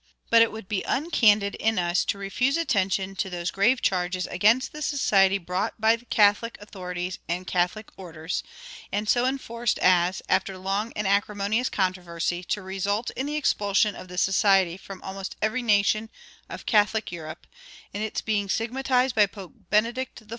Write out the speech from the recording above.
But it would be uncandid in us to refuse attention to those grave charges against the society brought by Catholic authorities and Catholic orders, and so enforced as, after long and acrimonious controversy, to result in the expulsion of the society from almost every nation of Catholic Europe, in its being stigmatized by Pope Benedict XIV.